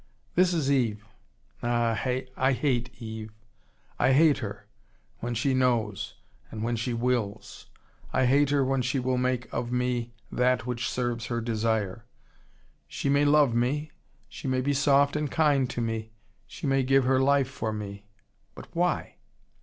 This is Eve. Ah, I hate Eve. I hate her, when she knows, and when she WILLS. I hate her when she will make of me that which serves her desire. She may love me, she may be soft and kind to me, she may give her life for me. But why?